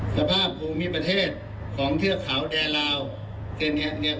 สภาพภูมิประเทศของเทือขาวแดลาวเช่นเนี้ยไหน